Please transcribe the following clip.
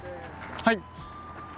はい。